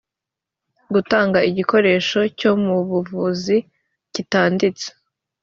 gutanga igikoresho cyo mu buvuzi kitanditse